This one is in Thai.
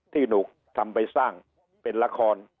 ที่หนูทำไปสร้างเป็นละคร